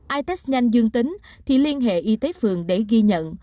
i test nhanh dương tính thì liên hệ y tế phường để ghi nhận